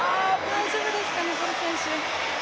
大丈夫ですかね、ボル選手。